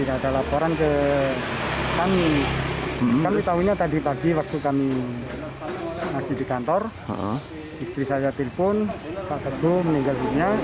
ada laporan ke kami kami tahunya tadi pagi waktu kami masih di kantor istri saya telpon kakakku meninggal